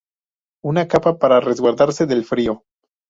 Una capa para resguardarse del frío.